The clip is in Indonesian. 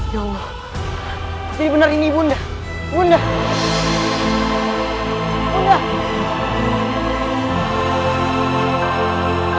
ya allah jadi benar ini bunda bunda bunda